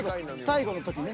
最後の時ね］